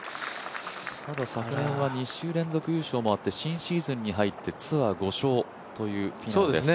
昨年は２週連続優勝もあって、新シーズンに入ってツアー５勝というフィナウです。